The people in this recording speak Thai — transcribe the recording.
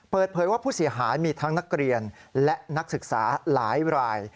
เปิดเผยว่าผู้เสียหายมีทั้งนักเรียนและนักศึกษาหลายราย